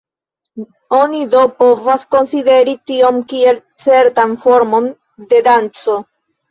Oni do povas konsideri tion kiel certan formon de danco.